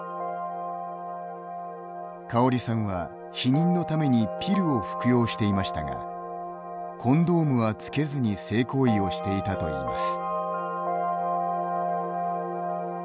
カオリさんは、避妊のためにピルを服用していましたがコンドームはつけずに性行為をしていたといいます。